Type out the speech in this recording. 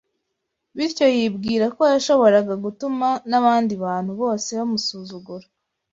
bityo yibwira ko yashoboraga gutuma n’abandi bantu bose bamusuzugura